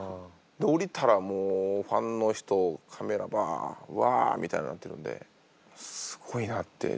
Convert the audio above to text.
降りたらもうファンの人カメラバッワアみたいになってるんですごいなって。